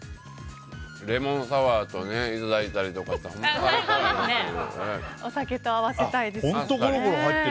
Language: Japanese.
レモンサワーといただいたりとかしたらお酒と合わせたいですね。